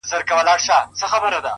• زما سره به څرنګه سیالي کوې رقیبه ,